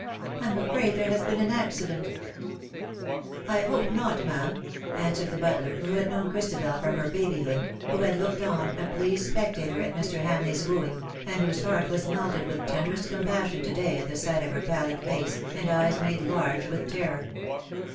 I'm afraid there has been an accident." 14 *^WITH SUCH REMORSELESS SPEED " I hope not, ma'am," answered the butler, who had known Christabel from her babyhood, who had looked on, a pleased spectator, at Mr. Hamleigh^s wooing, and whose heart was melted with tenderest compassion to day at the sight of her pallid face, and eyes made large with terror.